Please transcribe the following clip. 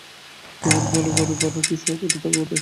কুমুদ বলে, ঘরের ভাড়া কি সহজ, অত টাকা কোথায়?